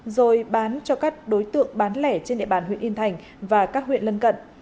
rồi bán cho các đối tượng bán lẻ trên địa bàn huyện yên thành và các huyện lân cận